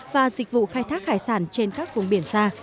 và dịch vụ khai thác hải sản trên các vùng biển xa